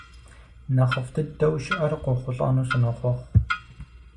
Нэхъыфӏ дыдэу щыӏэр къохъулӏэну сынохъуэхъу.